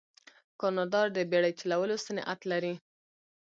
کاناډا د بیړۍ چلولو صنعت لري.